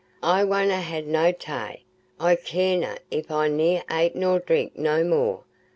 I wonna ha' no tay. I carena if I ne'er ate nor drink no more.